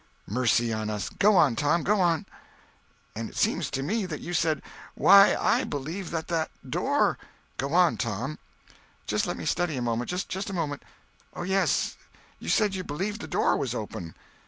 "Mercy on us! Go on, Tom—go on!" "And it seems to me that you said, 'Why, I believe that that door—'" "Go on, Tom!" "Just let me study a moment—just a moment. Oh, yes—you said you believed the door was open."